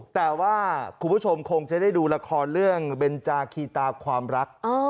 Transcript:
แต่ว่าคุณผู้ชมคงจะได้ดูละครเรื่องเบนจาคีตาความรัก